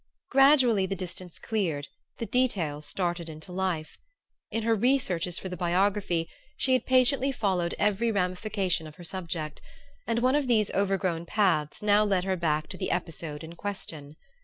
Gradually the distance cleared, the details started into life. In her researches for the biography she had patiently followed every ramification of her subject, and one of these overgrown paths now led her back to the episode in question.